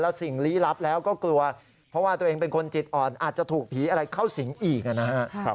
สิ่งลี้ลับแล้วก็กลัวเพราะว่าตัวเองเป็นคนจิตอ่อนอาจจะถูกผีอะไรเข้าสิงอีกนะครับ